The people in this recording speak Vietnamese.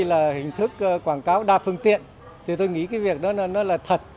là hình thức quảng cáo đa phương tiện thì tôi nghĩ cái việc đó là thật